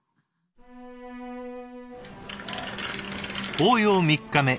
法要３日目